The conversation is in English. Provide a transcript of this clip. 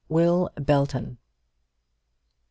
WILL BELTON. Mr.